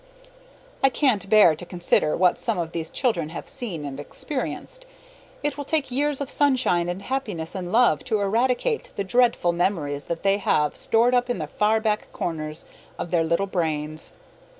I can't bear to consider what some of these children have seen and experienced. It will take years of sunshine and happiness and love to eradicate the dreadful memories that they have stored up in the far back corners of their little brains.